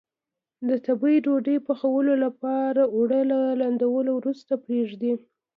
د تبۍ ډوډۍ پخولو لپاره اوړه له لندولو وروسته پرېږدي.